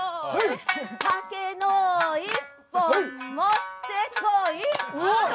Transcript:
酒の１本持ってこい！